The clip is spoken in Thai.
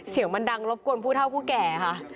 เสียงมันดังรบกวนผู้เท่าผู้แก่ค่ะ